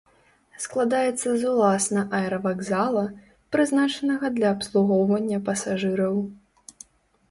Складаецца з уласна аэравакзала, прызначанага для абслугоўвання пасажыраў.